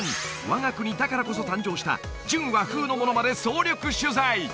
我が国だからこそ誕生した純和風のものまで総力取材！